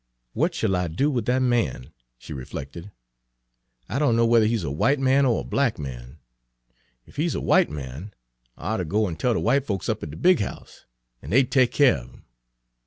"What shall I do with that man?" she reflected. "I don' know whether he 's a w'ite man or a black man. Ef he 's a w'ite man, I oughter go an' tell de w'ite folks up at de big house, an' dey'd take keer of 'im.